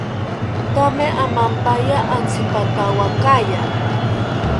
Thame amampaya atzipatawakaya